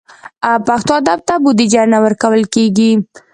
پښتو ادب ته بودیجه نه ورکول کېږي.